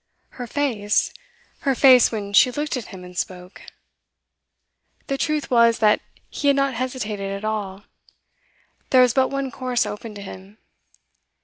Her face her face when she looked at him and spoke! The truth was, that he had not hesitated at all; there was but one course open to him.